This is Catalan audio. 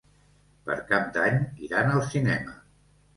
Per Cap d'Any iran al cinema.